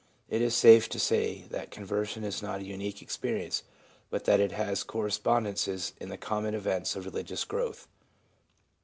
It is safe to say that conversion is not a unique experience, but has its correspondences in the common events of religious growth.